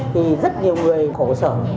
thì rất nhiều người khổ sở